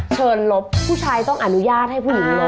ลบผู้ชายต้องอนุญาตให้ผู้หญิงลบ